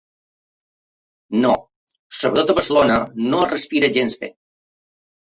No, sobretot a Barcelona no es respira gens bé.